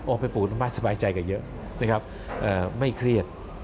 ออกไปปลูกต้นไม้สบายใจกันเยอะไม่เครียด